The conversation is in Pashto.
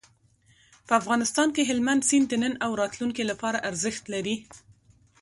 په افغانستان کې هلمند سیند د نن او راتلونکي لپاره ارزښت لري.